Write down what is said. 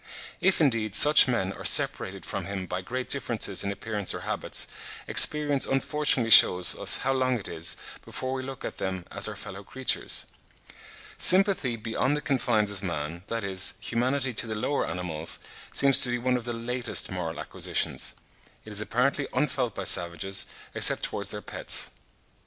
If, indeed, such men are separated from him by great differences in appearance or habits, experience unfortunately shews us how long it is, before we look at them as our fellow creatures. Sympathy beyond the confines of man, that is, humanity to the lower animals, seems to be one of the latest moral acquisitions. It is apparently unfelt by savages, except towards their pets.